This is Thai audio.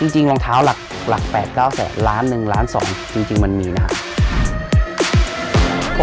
จริงวางเท้าหลัก๘๙แสนล้าน๑ล้าน๒จริงมันมีนะครับ